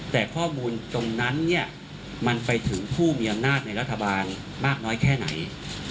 แต่ข้อมูลตรงนั้นเนี่ยมันไปถึงผู้มีอำนาจในรัฐบาลมากน้อยแค่ไหน